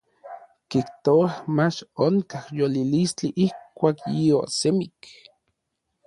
Kijtouaj mach onkaj yolilistli ijkuak yiosemik.